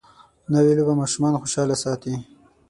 نوې لوبه ماشومان خوشحاله ساتي